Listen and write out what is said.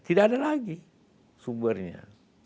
tidak ada lagi sumbernya